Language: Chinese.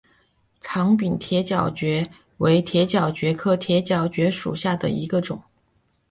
长柄铁角蕨为铁角蕨科铁角蕨属下的一个种。